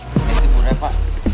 makasih bu dewi